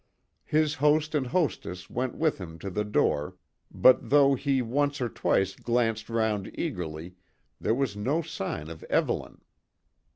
His host and hostess went with him to the door, but though he once or twice glanced round eagerly, there was no sign of Evelyn.